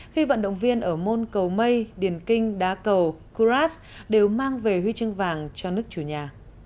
khi vận động viên ở môn cầu mây điền kinh đá cầu kuras đều mang về huy chương vàng cho nước chủ nhà